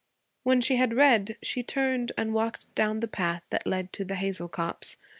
When she had read, she turned and walked down the path that led to the hazel copse.